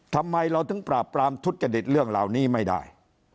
ทำไมเราถึงปราบปรามทุจริตเรื่องเหล่านี้ไม่ได้